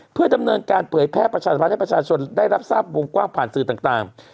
เพื่อดำเนินการเผยแพร่ประชาสัมให้ประชาชนได้รับทราบวงกว้างผ่านสื่อต่าง